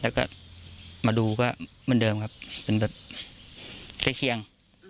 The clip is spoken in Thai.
แล้วก็มาดูก็เหมือนเดิมครับเป็นแบบใกล้เคียง